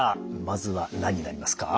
まずは何になりますか？